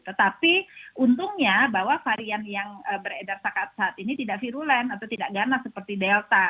tetapi untungnya bahwa varian yang beredar saat ini tidak virulen atau tidak ganas seperti delta